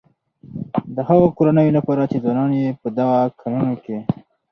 د هغه کورنيو لپاره چې ځوانان يې په دغه کانونو کې.